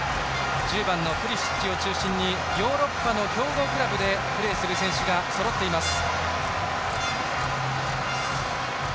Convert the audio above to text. １０番のプリシッチを中心にヨーロッパの強豪クラブでプレーする選手がそろっています。